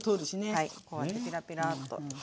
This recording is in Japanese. はいこうやってピラピラーッと。